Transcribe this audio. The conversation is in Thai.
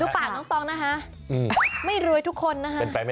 ปากน้องตองนะคะไม่รวยทุกคนนะคะ